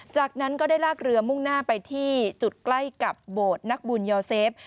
จากนั้นก็ได้ลากเรือมุ่งหน้าไปที่จุดใกล้กับโบสถ์นักบุญยอเซฟ